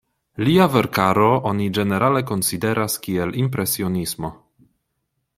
Lia verkaro oni ĝenerale konsideras kiel impresionismo.